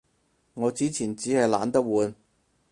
我之前衹係懶得換